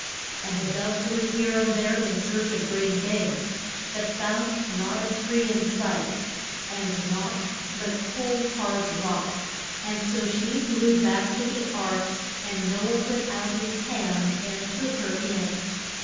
And the dove flew here and there in search of green things, but found not a tree in sight, and naught but cold hard rock, and so she flew back to the ark and No ah put out his hand and took her in.